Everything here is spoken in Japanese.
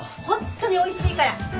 本当においしいから！